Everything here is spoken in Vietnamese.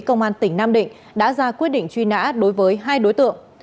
công an tỉnh nam định đã ra quyết định truy nã đối với hai đối tượng